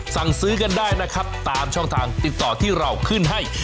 สั่งซื้อกันได้นะครับตามช่องทางติดต่อที่เราขึ้นให้